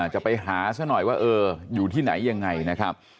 จะไปหาซะหน่อยว่าเอออยู่ที่ไหนยังไงนะครับ